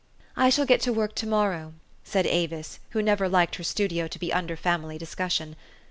" I shall get to work to morrow," said Avis, who never liked her studio to be under family discussion.